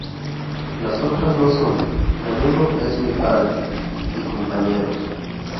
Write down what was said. Las otras dos son "Menudo es mi padre" y "Compañeros".